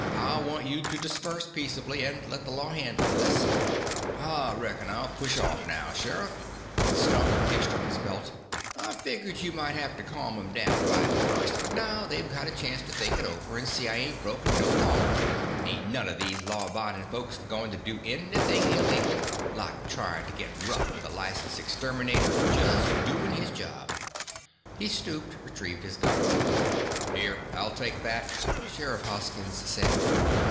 I want you to disperse, peaceably, and let the law handle this." "I reckon I'll push off now, Sheriff," Stump hitched up his belt. "I figgered you might have to calm 'em down right at first, but now they've had a chance to think it over and see I ain't broken no law, ain't none of these law abiding folks going to do anything illegal like tryin' to get rough with a licensed exterminator just doin' his job." He stooped, retrieved his gun. "Here, I'll take that," Sheriff Hoskins said.